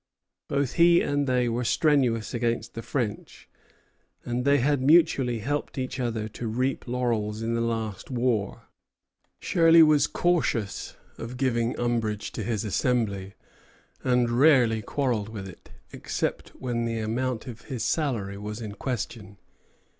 Both he and they were strenuous against the French, and they had mutually helped each other to reap laurels in the last war. Shirley was cautious of giving umbrage to his Assembly, and rarely quarrelled with it, except when the amount of his salary was in question.